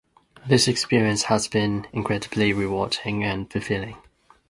This experience has been incredibly rewarding and fulfilling.